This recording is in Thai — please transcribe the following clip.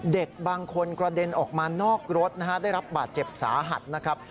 เด็กบางคนกระเด็นออกมานอกรถนะฮะได้รับบาดเจ็บสาหัสนะครับ